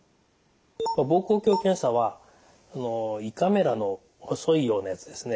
膀胱鏡検査は胃カメラの細いようなやつですね。